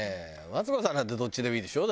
マツコさんなんてどっちでもいいでしょ？